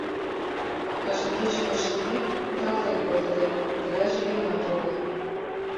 Кажне кечын вашлийде, кутыралтен колтыде... тыгайже лийынат огыл.